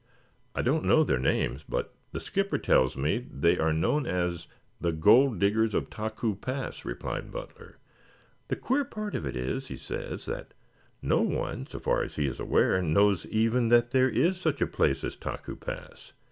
"I don't know their names, but the skipper tells me they are known as the Gold Diggers of Taku Pass," replied Butler. "The queer part of it is, he says, that no one, so far as he is aware, knows even that there is such a place as Taku Pass.